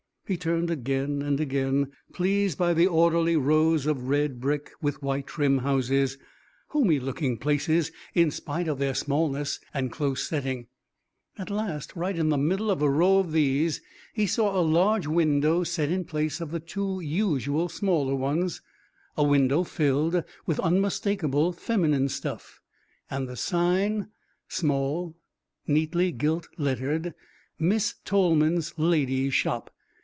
He turned again and again, pleased by the orderly rows of red brick with white trim houses, homey looking places in spite of their smallness and close setting. At last, right in the middle of a row of these, he saw a large window set in place of the two usual smaller ones, a window filled with unmistakable feminine stuff, and the sign, small, neatly gilt lettered: Miss Tolman's Ladies' Shop.